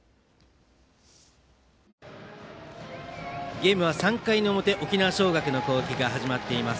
ゲームは３回の表沖縄尚学の攻撃が始まっています。